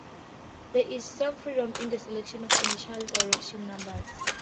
There is some freedom in the selection of initial direction numbers.